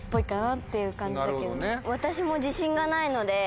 私も自信がないので。